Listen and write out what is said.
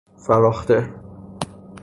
فراخته